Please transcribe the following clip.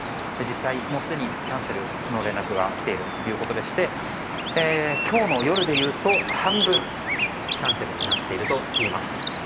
実際もうすでにキャンセルの連絡がきているということでして今日の夜でいうと半分キャンセルになっているといいます。